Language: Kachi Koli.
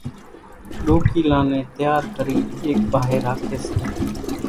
ڏوڪيلان نين تيار ڪرين ايڪ پاھي راکي سي۔